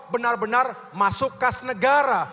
benar benar masuk kas negara